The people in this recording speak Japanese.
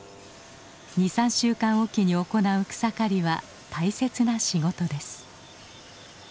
２３週間おきに行う草刈りは大切な仕事です。